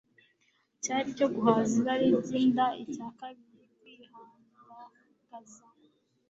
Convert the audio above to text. cyari icyo guhaza irari ryinda icya kabiri kwihandagaza